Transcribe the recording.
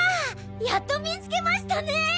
やっと見つけましたね！